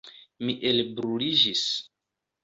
Mi elbruliĝis.